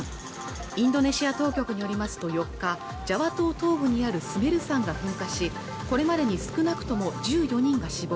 インドネシア当局によりますと４日ジャワ島東部にあるスメル山が噴火しこれまでに少なくとも１４人が死亡